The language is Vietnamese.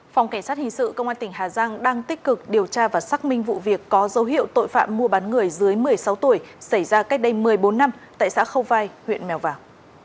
phòng cảnh sát hình sự công an tỉnh hà giang đang tích cực điều tra và xác minh vụ việc có dấu hiệu tội phạm mua bán người dưới một mươi sáu tuổi xảy ra cách đây một mươi bốn năm tại xã khâu vai huyện mèo vào